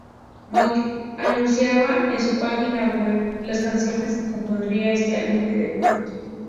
Maguire anunciaba en su página web las canciones que compondrían este álbum de debut.